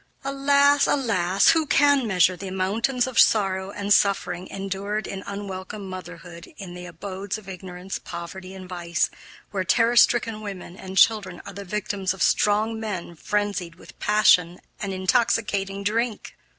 Alas! alas! who can measure the mountains of sorrow and suffering endured in unwelcome motherhood in the abodes of ignorance, poverty, and vice, where terror stricken women and children are the victims of strong men frenzied with passion and intoxicating drink?